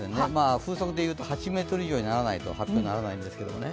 風速でいうと８メートル以上にならないと発表にならないんですが。